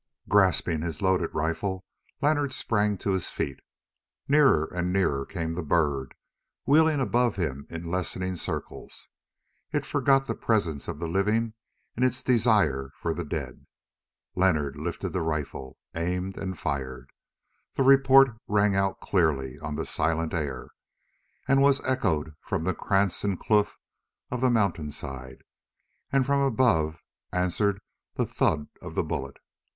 Grasping his loaded rifle Leonard sprang to his feet. Nearer and nearer came the bird, wheeling above him in lessening circles: it forgot the presence of the living in its desire for the dead. Leonard lifted the rifle, aimed and fired. The report rang out clearly on the silent air, and was echoed from krantz and kloof and mountain side, and from above answered the thud of the bullet.